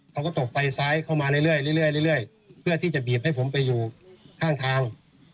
เขาก็ตบไฟซ้ายเข้ามาเรื่อยเพื่อที่จะบีบให้ผมไปอยู่ข้างทาง